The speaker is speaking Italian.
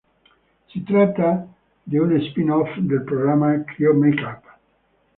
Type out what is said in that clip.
Si tratta di uno spin-off del programma Clio Make Up.